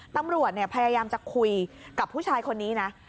ตำรวจพยายามจะคุยกับผู้ชายคนนี้นะ